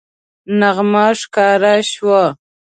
نغمه ښکاره شوه